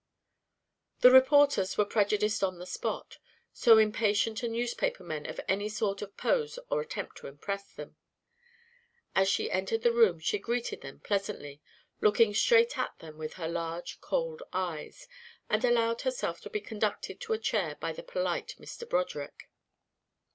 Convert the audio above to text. The reporters were prejudiced on the spot, so impatient are newspaper men of any sort of pose or attempt to impress them. As she entered the room she greeted them pleasantly, looking straight at them with her large cold eyes, and allowed herself to be conducted to a chair by the polite Mr. Broderick.